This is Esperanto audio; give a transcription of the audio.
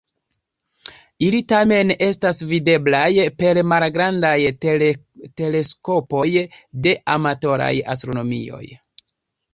Ili tamen estas videblaj per malgrandaj teleskopoj de amatoraj astronomoj.